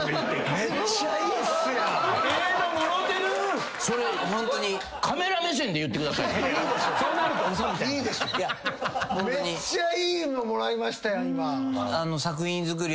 めっちゃいいのもらいましたやん今！